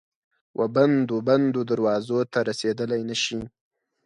وبندو، بندو دروازو ته رسیدلای نه شي